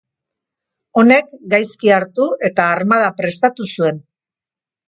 Honek gaizki hartu eta armada prestatu zuen.